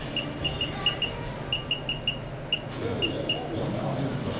何をあげるんだろう？